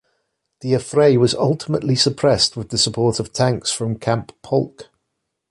The affray was ultimately suppressed with the support of tanks from Camp Polk.